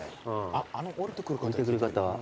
あっあの下りてくる方。